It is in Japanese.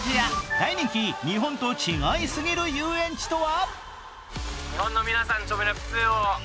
大人気、日本と違いすぎる遊園地とは？